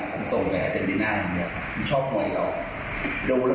ผมส่งอาเจนติน่าแบบนี้ครับชอบมวยเรา